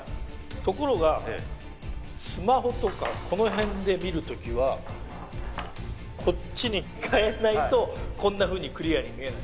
ところがスマホとかこの辺で見る時はこっちにかえないとこんなふうにクリアに見えない。